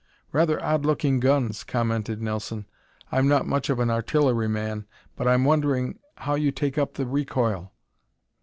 "Rather odd looking guns," commented Nelson. "I'm not much of an artilleryman, but I'm wondering how you take up the recoil?"